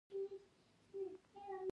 افغانستان لرغوني مخینه لري